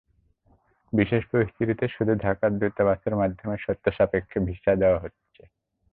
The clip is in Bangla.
বিশেষ পরিস্থিতিতে শুধু ঢাকার দূতাবাসের মাধ্যমে শর্ত সাপেক্ষে ভিসা দেওয়া হয়েছে।